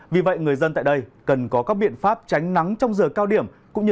vì vậy người dân tại đây cần có các biện pháp tránh nắng trong giờ cao điểm